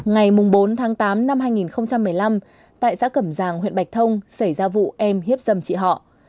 ngày bốn tháng tám năm hai nghìn một mươi năm tại xã cẩm giàng huyện bạch thông xảy ra vụ em hiếp dâm chị họ